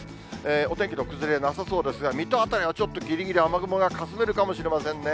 お天気の崩れ、なさそうですが、水戸辺りはちょっと、ぎりぎり雨雲がかすめるかもしれませんね。